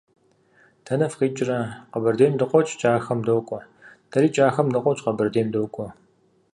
- Дэнэ фыкъикӀрэ? - Къэбэрдейм дыкъокӀ, КӀахэм докӀуэ. - Дэри КӀахэм дыкъокӀ, Къэбэрдейм докӀуэ.